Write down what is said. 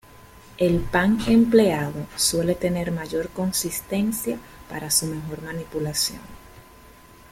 El pan empleado suele tener mayor consistencia para su mejor manipulación.